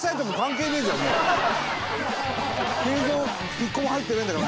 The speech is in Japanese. １個も入ってないんだから。